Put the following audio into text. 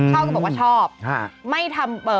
เขาก็บอกว่าชอบ